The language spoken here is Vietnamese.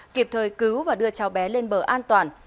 kịp thời cứu và đưa cháu bé lên bờ an toàn